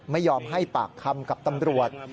ไม่ยอมให้ปากคำกับตำรวจ